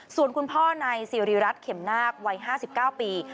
ส่วนคุณพ่อในซีรีย์รัฐเข็มนาควัย๕๙ปี